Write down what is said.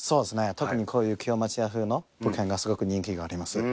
特にこういう京町家風の物件がすごく人気があります。